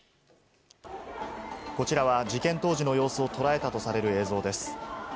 こちらは事件当時の様子を捉えたとされる映像です。